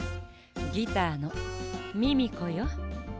ギターのミミコよ。